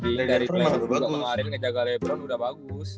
yang kemarin ngejaga lebron udah bagus